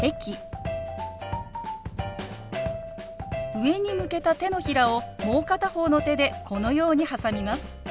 上に向けた手のひらをもう片方の手でこのように挟みます。